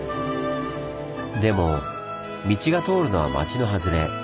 でも道が通るのは町の外れ。